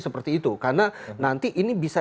seperti itu karena nanti ini bisa